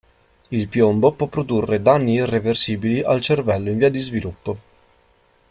Il piombo può produrre danni irreversibili al cervello in via di sviluppo.